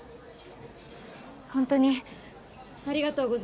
ホントにありがとうございます